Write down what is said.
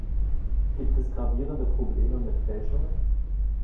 Gibt es gravierende Probleme mit Fälschungen?